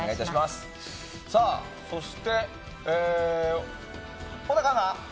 そして、小高アナ！